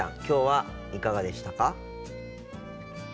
今日はいかがでしたか？